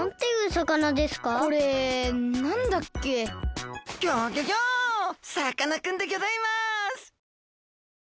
さかなクンでギョざいます！